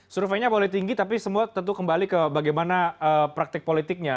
surveinya boleh tinggi tapi semua tentu kembali ke bagaimana praktek politiknya